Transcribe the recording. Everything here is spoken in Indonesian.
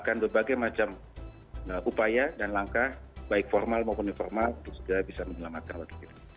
kemudian berubah quasi mulia jua mramej dibutuhkan meng des di the garbage ball hai nanti siapa membuatality ter expose men ceramiser effect masih masih buat l southwest